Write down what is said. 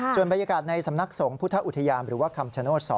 ส่วนบรรยากาศในสำนักสงฆ์พุทธอุทยานหรือว่าคำชโนธ๒